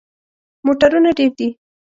موټرونه ډیر دي